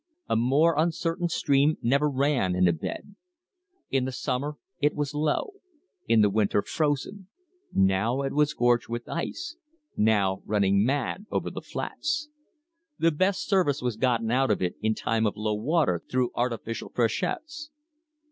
A more uncertain stream never ran in a bed. In the summer it was low, in the winter frozen; now it was gorged with ice, now running mad over the flats. The best service was gotten out of it in time of low water through artificial freshets.